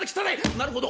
なるほど。